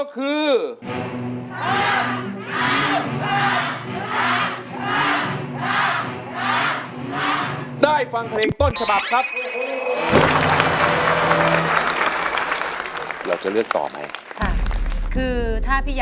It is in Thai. ๔ครับ